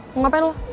mau ngapain lu